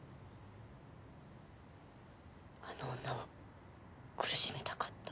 あの女を苦しめたかった。